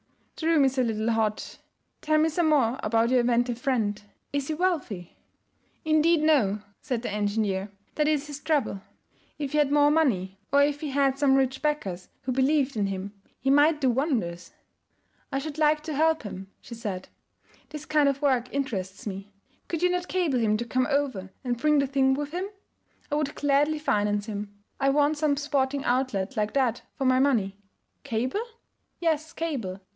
The room is a little hot. Tell me some more about your inventive friend. Is he wealthy?' 'Indeed, no,' said the engineer. 'That is his trouble. If he had more money, or if he had some rich backers who believed in him, he might do wonders.' 'I should like to help him,' she said. 'This kind of work interests me. Could you not cable him to come over and bring the thing with him? I would gladly finance him. I want some sporting outlet like that for my money.' 'Cable?' 'Yes, cable.